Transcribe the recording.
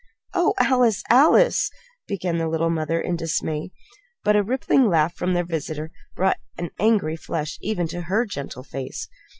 "Oh, Alice, Alice," began the little mother, in dismay; but a rippling laugh from their visitor brought an angry flush even to her gentle face.